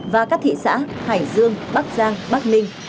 và các thị xã hải dương bắc giang bắc ninh